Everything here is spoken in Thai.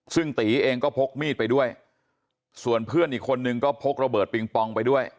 ซึ่งตีเองก็พกมีดไปด้วยส่วนเพื่อนอีกคนนึงก็พกระเบิดปิงปองไปด้วย